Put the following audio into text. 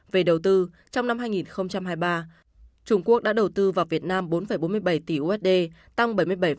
về đầu tư trong năm hai nghìn hai mươi ba trung quốc đã đầu tư vào việt nam bốn bốn mươi bảy tỷ usd tăng bảy mươi bảy